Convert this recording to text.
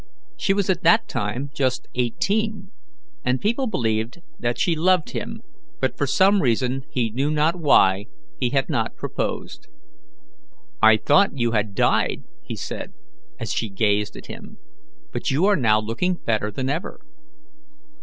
She was at that time just eighteen, and people believed that she loved him, but for some reason, he knew not why, he had not proposed. "I thought you had died," he said, as she gazed at him, "but you are now looking better than ever."